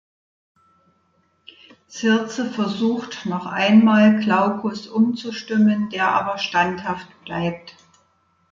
Circe versucht noch einmal, Glaucus umzustimmen, der aber standhaft bleibt.